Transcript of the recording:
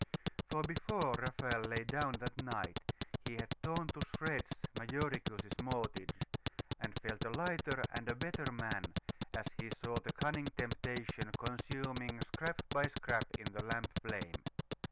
For before Raphael lay down that night, he had torn to shreds Majoricus's mortgage, and felt a lighter and a better man as he saw the cunning temptation consuming scrap by scrap in the lamp flame.